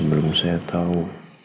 tidak ada yang bisa diberikan